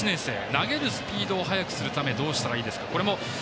投げるスピードを速くするためにはどうしたらいいですか？